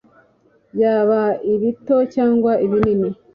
Byaba ibito cyangwa ibinini